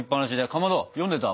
かまど読んでた？